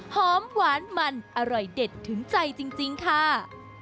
หอมหวานมันอร่อยเด็ดถึงใจจริงค่ะ